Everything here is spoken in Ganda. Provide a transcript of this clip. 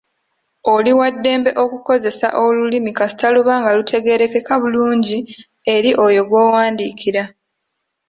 Oli wa ddembe okukozesa olulimi kasita luba nga lutegeerekeka bulungi eri oyo gw'owandiikira.